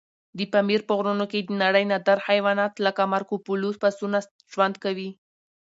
د پامیر په غرونو کې د نړۍ نادر حیوانات لکه مارکوپولو پسونه ژوند کوي.